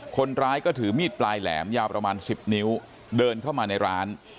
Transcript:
คนร้ายก็ถือมีดปลายแหลมยาวประมาณ๑๐นิ้วเดินเข้ามาในร้าน